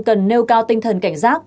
cần nêu cao tinh thần cảnh giác